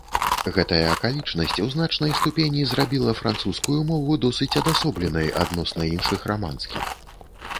Гэтая акалічнасць у значнай ступені зрабіла французскую мову досыць адасобленай адносна іншых раманскіх.